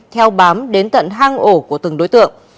theo bám đến tận hang ổ của từng đối tượng